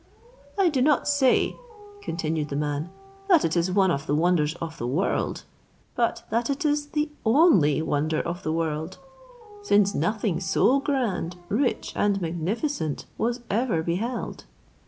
"I do not say," continued the man, "that it is one of the wonders of the world, but that it is the only wonder of the world; since nothing so grand, rich, and magnificent was ever beheld.